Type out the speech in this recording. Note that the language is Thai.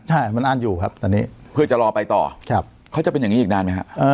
ใช่มันอ่านอยู่ครับตอนนี้เพื่อจะรอไปต่อเขาจะเป็นอย่างนี้อีกนานไหมฮะ